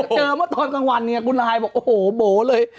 เมื่อตอนกลางวันเนี่ยคุณลายบอกโอ้โหโบ๋เลย